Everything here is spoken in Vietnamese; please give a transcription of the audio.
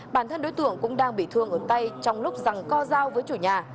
bản thân đối tượng cũng đang bị thương ở tay trong lúc rằng co dao với chủ nhà